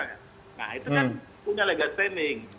nah itu kan punya legal standing